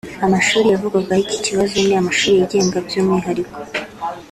Amushuli yavugwagaho iki kibazo ni amashuli yigenga by’umwihariko